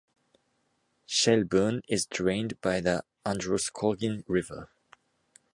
Shelburne is drained by the Androscoggin River.